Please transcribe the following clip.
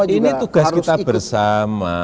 ini tugas kita bersama